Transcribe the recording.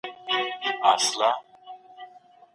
د وقوع د وخت د نتايجو له اړخه طلاق جلا بحث لري.